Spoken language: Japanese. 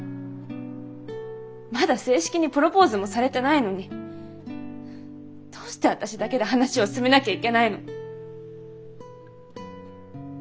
まだ正式にプロポーズもされてないのにどうして私だけで話を進めなきゃいけないの？